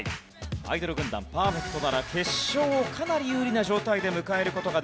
アイドル軍団パーフェクトなら決勝をかなり有利な状態で迎える事ができます。